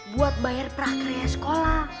buat bayar prakarya sekolah